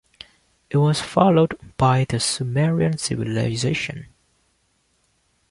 It was followed by the Sumerian civilization.